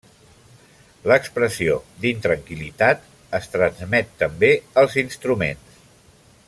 L'expressió d'intranquil·litat es transmet també als instruments.